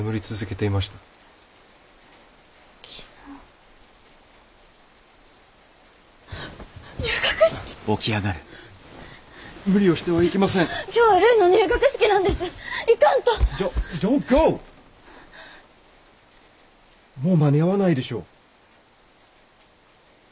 もう間に合わないでしょう。